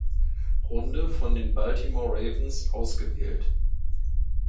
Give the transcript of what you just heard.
Runde von den Baltimore Ravens ausgewählt.